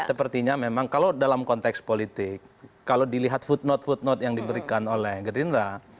sepertinya memang kalau dalam konteks politik kalau dilihat footnote footnote yang diberikan oleh gerindra